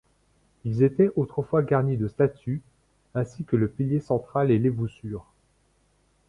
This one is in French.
Ils étaient, autrefois garnis de statues, ainsi que le pilier central et les voussures.